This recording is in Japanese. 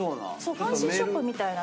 ファンシーショップみたいなね。